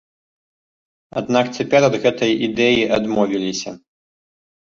Аднак цяпер ад гэтай ідэі адмовіліся.